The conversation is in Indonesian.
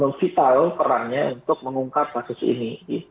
memvital perannya untuk mengungkap kasus ini